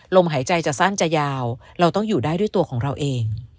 ลมหายใจจะสั้นจะยาวเราต้องอยู่ได้ด้วยตัวของเราเอง